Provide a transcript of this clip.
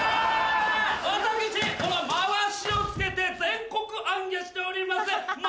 私このまわしを着けて全国行脚しております。